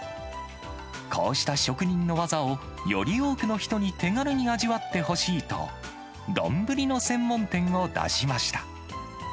こうした職人の技を、より多くの人に手軽に味わってほしいと、丼の専門店を出しました。